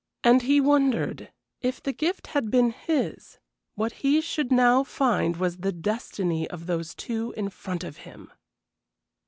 And he wondered, if the gift had been his, what he should now find was the destiny of those two in front of him!